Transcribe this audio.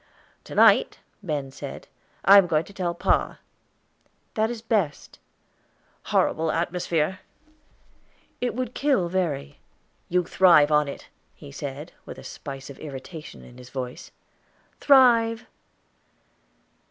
"To night," Ben said, "I am going to tell pa." "That is best." "Horrible atmosphere!" "It would kill Verry." "You thrive in it," he said, with a spice of irritation in his voice. "Thrive!"